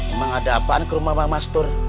emang ada apaan ke rumah pak mastur